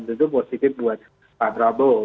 dan tentu positif buat pak prabowo